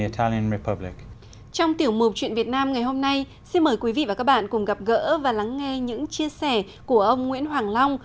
trong tiểu mục chuyện việt nam ngày hôm nay xin mời quý vị và các bạn cùng gặp gỡ và lắng nghe những chia sẻ của ông nguyễn hoàng long